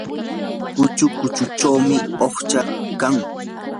qucha kuchunchaw uqshami kan.